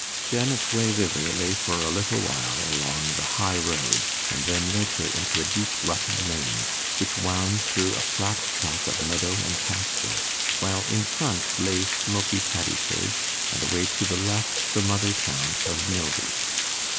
Janet's way thither lay for a little while along the high road, and then led her into a deep rutted lane, which wound through a flat tract of meadow and pasture, while in front lay smoky Paddiford, and away to the left the mother town of Milby.